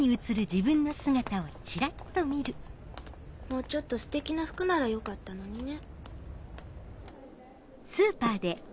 もうちょっとステキな服ならよかったのにね。